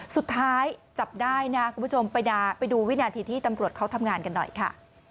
สุดท้ายจับได้นะคุณผู้ชมไปดูวินาทีที่ตำรวจเขาทำงานกันหน่อยค่ะ